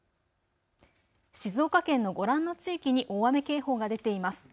静岡県のご覧の地域に大雨警報が出ています。